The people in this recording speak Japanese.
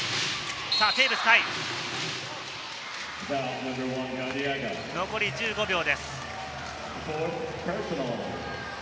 テーブス海、残り１５秒です。